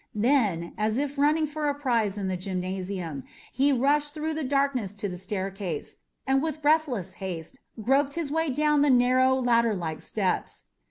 Then, as if running for a prize in the gymnasium, he rushed through the darkness to the staircase, and with breathless haste groped his way down the narrow, ladderlike steps.